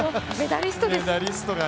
メダリストが。